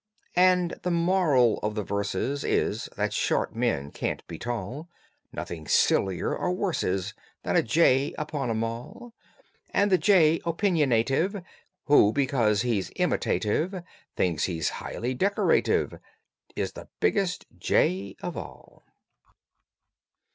And THE MORAL of the verses Is: That short men can't be tall. Nothing sillier or worse is Than a jay upon a mall. And the jay opiniative Who, because he's imitative, Thinks he's highly decorative Is the biggest jay of all.